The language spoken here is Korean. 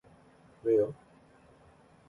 왜요?